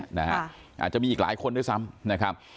อาจจะมีอีกหลายคนด้วยซ้ำ